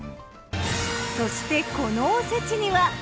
そしてこのおせちには。